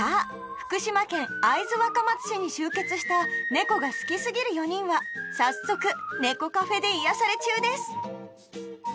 福島県会津若松市に集結した猫が好きすぎる４人は早速猫カフェで癒やされ中です